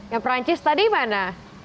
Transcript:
yang prancis tadi mana